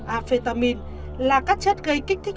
amphetamine là các chất gây kích thích